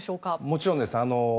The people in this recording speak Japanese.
もちろんです。